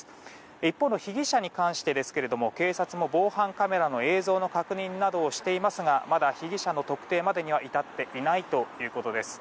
一方の被疑者に関してですが警察も防犯カメラの映像の確認などをしていますがまだ被疑者の特定までは至っていないということです。